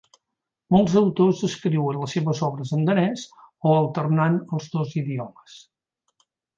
Molts autors escriuen les seves obres en danès o alternant els dos idiomes.